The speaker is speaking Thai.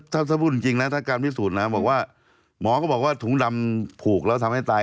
ถ้าพูดจริงนะถ้าการพิสูจน์นะบอกว่าหมอก็บอกว่าถุงดำผูกแล้วทำให้ตาย